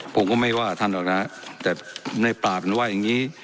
ผมก็ไม่ว่าท่านหรอกนะแต่ในปราบมันว่าอย่างนี้